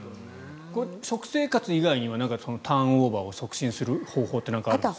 食生活以外にはターンオーバーを促進する方法って何かあるんですか？